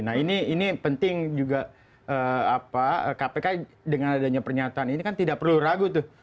nah ini penting juga kpk dengan adanya pernyataan ini kan tidak perlu ragu tuh